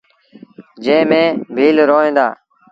جݩهݩ ميݩ ڀيٚل روهيݩ دآ۔